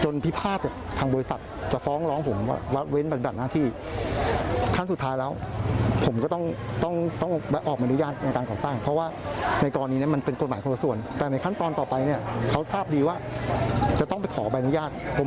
และคลังสินค้า